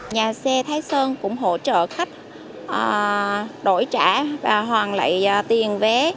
nhà xe thái sơn cũng hỗ trợ khách đổi trả và hoàn lại tiền vé